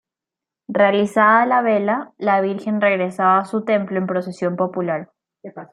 Realizada la vela, la Virgen regresaba a su templo en procesión popular.